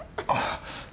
あっ。